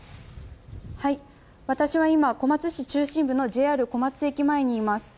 私は今、小松市中心部のＪＲ小松駅前にいます。